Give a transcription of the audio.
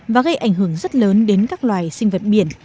và gây ảnh hưởng rất lớn đến các loài sinh vật biển